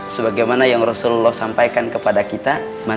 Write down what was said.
sebagaimana yang rasulullah sampaikan kepada kita